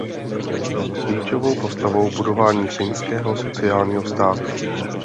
Byl klíčovou postavou budování finského sociálního státu.